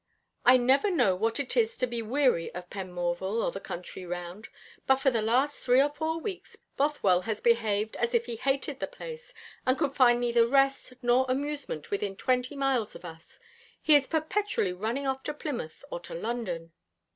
"I never know what it is to be weary of Penmorval or the country round; but for the last three or four weeks Bothwell has behaved as if he hated the place, and could find neither rest nor amusement within twenty miles of us. He is perpetually running off to Plymouth or to London."